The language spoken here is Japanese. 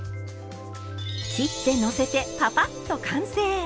切ってのせてパパッと完成。